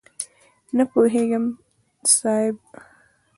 نه پوهېږم صاحب؟!